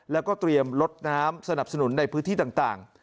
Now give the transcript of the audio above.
แล้วก็เตรียมลดน้ำสนับสนุนในพื้นที่ต่าง